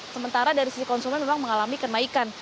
sementara dari sisi konsumen memang mengalami kenaikan